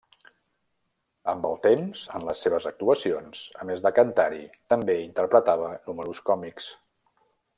Amb el temps, en les seves actuacions, a més de cantar-hi, també interpretava números còmics.